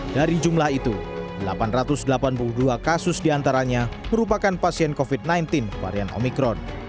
dari jumlah itu delapan ratus delapan puluh dua kasus diantaranya merupakan pasien covid sembilan belas varian omikron